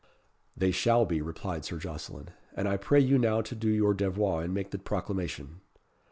"They shall be," replied Sir Jocelyn; "and I pray you now to do your devoir, and make the proclamation."